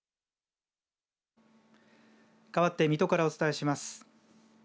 かわって水戸からお伝えします。